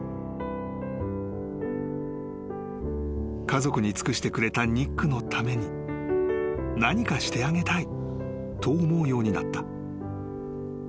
［家族に尽くしてくれたニックのために何かしてあげたいと思うようになった］